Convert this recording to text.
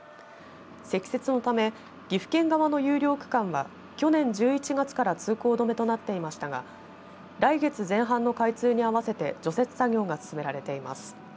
積雪のため岐阜県側の有料区間は去年１１月から通行止めとなっていましたが来月前半の開通に合わせて除雪作業が進められています。